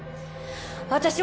私は。